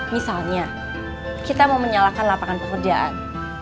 misalnya kita mau menyalakan lapangan pekerjaan